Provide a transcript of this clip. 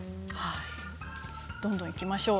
どんどんいきましょう